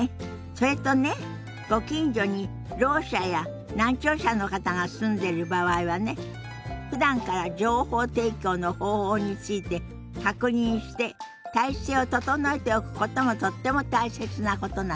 それとねご近所にろう者や難聴者の方が住んでる場合はねふだんから情報提供の方法について確認して体制を整えておくこともとっても大切なことなのよ。